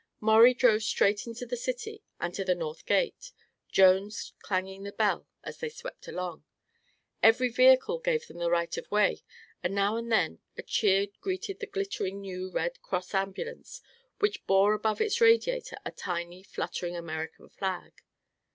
Maurie drove straight into the city and to the north gate, Jones clanging the bell as they swept along. Every vehicle gave them the right of way and now and then a cheer greeted the glittering new Red Cross ambulance, which bore above its radiator a tiny, fluttering American flag.